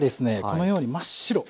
このように真っ白。